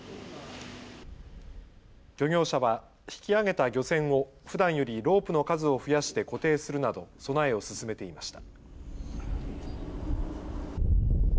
漁業者は引き上げた漁船をふだんよりロープの数を増やして固定するなど備えを進めていました。